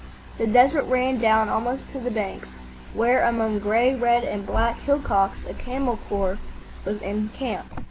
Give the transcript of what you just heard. The desert ran down almost to the banks, where, among gray, red, and black hillocks, a camel corps was encamped.